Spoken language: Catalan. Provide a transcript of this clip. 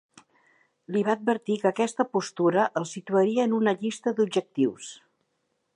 Li va advertir que aquesta postura el situaria en una llista d'objectius.